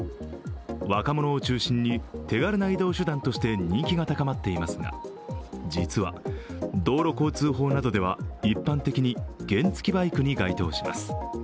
若者を中心に手軽な移動手段として人気が高まっていますが、実は、道路交通法などでは一般的に原付バイクに該当します。